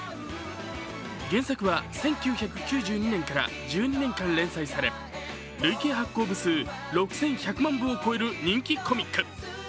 原作は１９９２年から１２年間連載され、累計発行部数６１００万部を超える人気コミック。